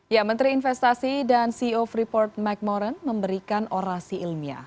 ya menteri investasi dan ceo freeport mcmoran memberikan orasi ilmiah